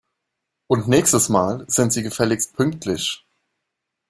Und nächstes Mal sind Sie gefälligst pünktlich!